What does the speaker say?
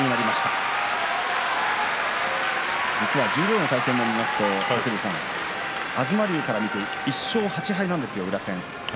十両の対戦も見ますと東龍から見て１勝８敗なんですよ宇良戦。